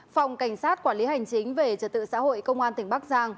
phòng cảnh sát quản lý hành chính về trật tự xã hội công an tỉnh bắc giang